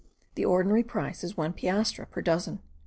The ordinary price is one piastre per dozen.)